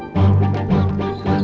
masuk ke dalam